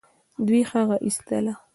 دوی هغه ايستله.